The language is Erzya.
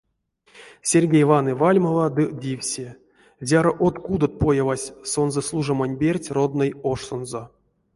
Сергей ваны вальмава ды дивси: зяро од кудот появасть сонзэ служамонь перть родной ошсонзо!